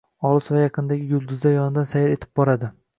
Olis va yaqindagi yulduzlar yonidan sayr etib boradi.